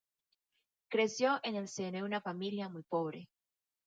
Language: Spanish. Creció en el seno de una familia muy pobre.